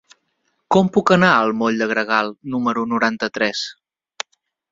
Com puc anar al moll de Gregal número noranta-tres?